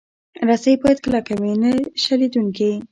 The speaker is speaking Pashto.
رسۍ باید کلکه وي، نه شلېدونکې.